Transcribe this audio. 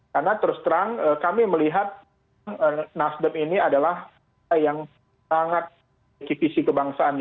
karena terus terang kami melihat nasdem ini adalah yang sangat ekipisi kebangsaan